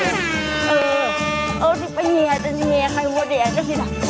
เออเอาสิไปเงียจะเงียใครงวดแดงกันสินะ